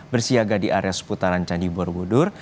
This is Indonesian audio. bersiaga di area seputaran candi borobudur